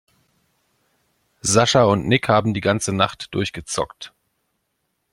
Sascha und Nick haben die ganze Nacht durchgezockt.